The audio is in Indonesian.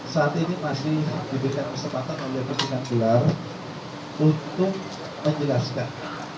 saat ini masih diberikan kesempatan oleh pimpinan ular untuk menjelaskan